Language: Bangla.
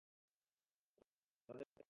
তাদের ভয় কেটে গেছে?